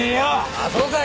ああそうかい！